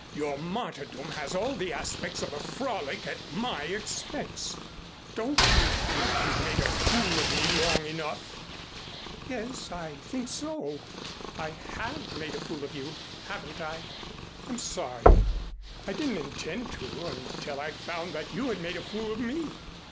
Your martyrdom has all the aspects of a frolic at my expense. Don't you think you've made a fool of me long enough?" "Yes, I think so. I have made a fool of you, haven't I? I'm sorry. I didn't intend to until I found that you had made a fool of me.